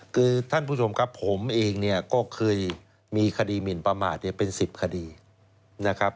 คือท่านผู้ชมครับผมเองเนี่ยก็เคยมีคดีหมินประมาทเป็น๑๐คดีนะครับ